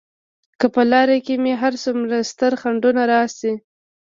که په لار کې مې هر څومره ستر خنډونه راشي.